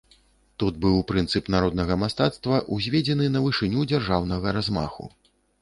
Тут быў прынцып народнага мастацтва, узведзены на вышыню дзяржаўнага размаху.